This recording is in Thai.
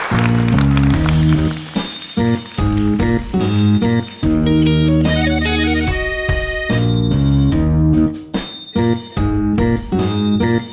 เพลง